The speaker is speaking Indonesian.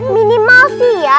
minimal sih ya